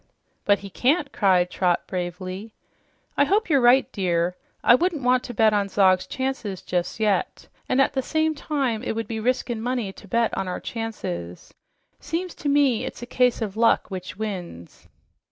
"But he can't!" cried Trot bravely. "I hope you're right, dear. I wouldn't want to bet on Zog's chances jes' yet, an' at the same time it would be riskin' money to bet on our chances. Seems to me it's a case of luck which wins."